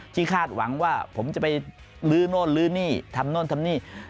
คาดหวังว่าผมจะไปลื้อโน่นลื้อนี่ทำโน่นทำนี่